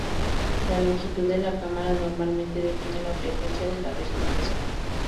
La longitud de la cámara normalmente define la frecuencia de la resonancia.